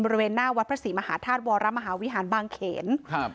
บริเวณหน้าวัดพระศรีมหาธาตุวรมหาวิหารบางเขนครับ